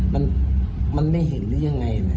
มันมันไม่เห็นได้ยังไงเลย